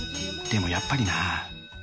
でもやっぱりな。